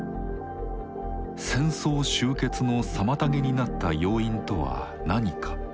戦争終結の妨げになった要因とは何か？